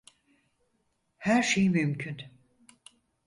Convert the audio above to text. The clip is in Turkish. Her şey mümkün.